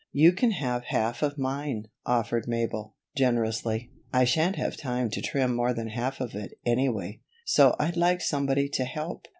"You can have half of mine," offered Mabel, generously. "I shan't have time to trim more than half of it, anyway, so I'd like somebody to help."